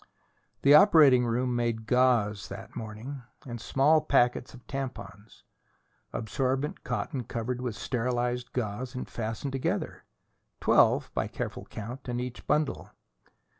The operating room made gauze that morning, and small packets of tampons: absorbent cotton covered with sterilized gauze, and fastened together twelve, by careful count, in each bundle.